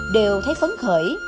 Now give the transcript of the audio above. đều thấy phấn khởi